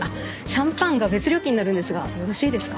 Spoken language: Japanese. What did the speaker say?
シャンパンが別料金になるんですがよろしいですか？